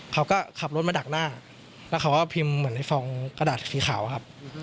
เขาก็ขับรถมาดักหน้าแล้วเขาก็พิมพ์เหมือนในฟองกระดาษสีขาวครับ